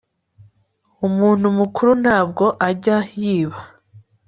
umuntu mukuru ntabwo ajya yiba